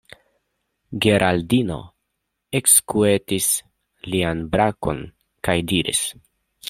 Geraldino ekskuetis lian brakon kaj diris: